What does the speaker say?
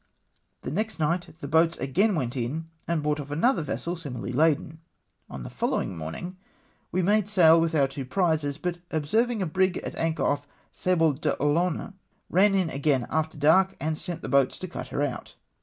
The next night the boats again went in, and brought off another vessel similarly laden. On the following morning we made sail with our two prizes, but observing a brig at anchor off Sable d'Olonne, ran in again after dark, and sent the boats to cut her out.